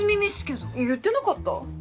言ってなかった？